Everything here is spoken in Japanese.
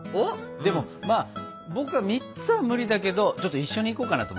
でもまあ僕は３つは無理だけどちょっと一緒に行こうかなと思ってさ。